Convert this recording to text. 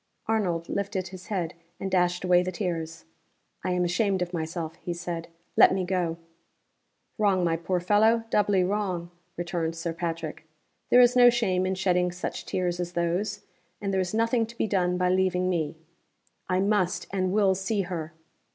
Arnold lifted his head, and dashed away the tears. "I am ashamed of myself," he said. "Let me go." "Wrong, my poor fellow doubly wrong!" returned Sir Patrick. "There is no shame in shedding such tears as those. And there is nothing to be done by leaving me." "I must and will see her!"